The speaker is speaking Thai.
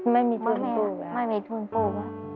ไม่มีทุนปลูก